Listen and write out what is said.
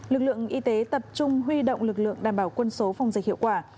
lực lượng y tế tập trung huy động lực lượng đảm bảo quân số phòng dịch hiệu quả